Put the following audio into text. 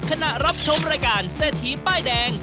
รับชมรายการเศรษฐีป้ายแดง